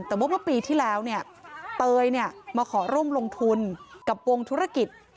แต่ว่าเมื่อปีที่แล้วเนี่ยเตยมาขอร่วมลงทุนกับวงธุรกิจ